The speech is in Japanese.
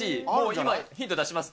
今、ヒント出します。